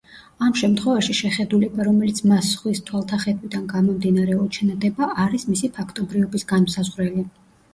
ამ შემთხვევაში შეხედულება, რომელიც მას სხვის თვალთახედვიდან გამომდინარე უჩნდება არის მისი ფაქტობრიობის განმსაზღვრელი.